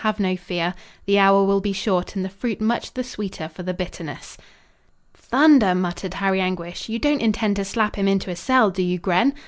Have no fear. The hour will be short and the fruit much the sweeter for the bitterness." "Thunder!" muttered Harry Anguish. "You don't intend to slap him into a cell, do you, Gren?"